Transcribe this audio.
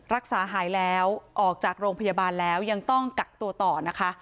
รักษาหายแล้วออกจากโรงพยาบาลแล้วยังต้องกักตัวต่อนะคะ